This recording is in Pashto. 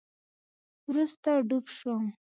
وروسته ډوب شوم